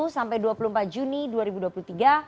sampai dua puluh empat juni dua ribu dua puluh tiga